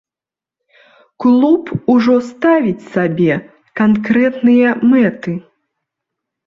Клуб ужо ставіць сабе канкрэтныя мэты.